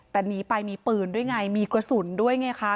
แต่หนีไปมีปืนด้วยไงมีกระสุนด้วยไงคะ